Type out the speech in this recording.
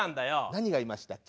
何がいましたっけ？